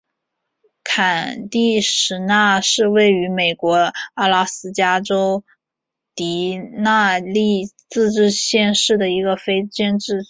坎蒂什纳是位于美国阿拉斯加州迪纳利自治市镇的一个非建制地区。